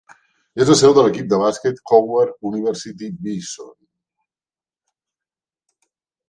És la seu de l'equip de bàsquet Howard University Bison.